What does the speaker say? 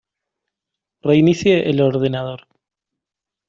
Reinicie el ordenador.